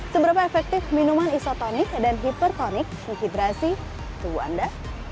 seberapa efektif minuman isotonik dan hipertonik menghidrasi tubuh anda